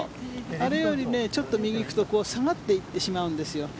あれよりちょっと右に行くと下がっていってしまうんですよ。